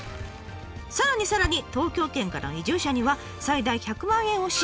さらにさらに東京圏からの移住者には最大１００万円を支援。